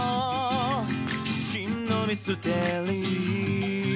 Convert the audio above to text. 「真のミステリー」